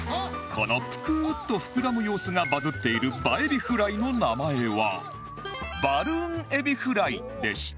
このプクーッと膨らむ様子がバズっている映エビフライの名前はバルーンエビフライでした